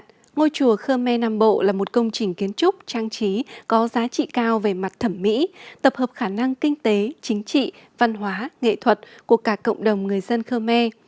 trong đó ngôi chùa khơ me nam bộ là một công trình kiến trúc trang trí có giá trị cao về mặt thẩm mỹ tập hợp khả năng kinh tế chính trị văn hóa nghệ thuật của cả cộng đồng người dân khơ me